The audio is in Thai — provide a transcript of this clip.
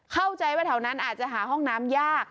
เข้าใจว่าแถวนั้นอาจจะหาห้องน้ำยาก